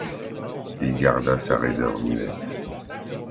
Il garda sa raideur muette.